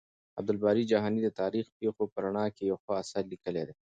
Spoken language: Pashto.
عبدالباري جهاني د تاريخي پېښو په رڼا کې يو ښه اثر ليکلی دی.